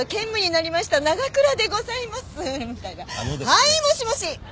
「はい。もしもし」